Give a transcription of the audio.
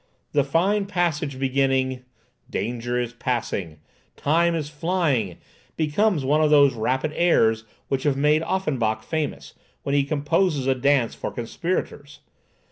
The fine passage beginning, "Danger is passing, time is flying," becomes one of those rapid airs which have made Offenbach famous, when he composes a dance for conspirators.